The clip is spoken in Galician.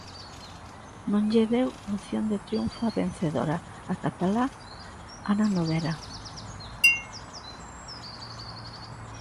Non lle deu opción de triunfo a vencedora, a catalá Anna Noguera.